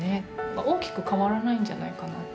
大きく変わらないんじゃないかなって。